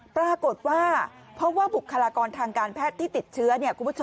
ปรากฏว่าเพราะว่าบุคลากรทางการแพทย์ที่ติดเชื้อคุณผู้ชม